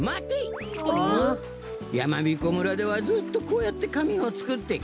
やまびこ村ではずっとこうやってかみをつくってきた。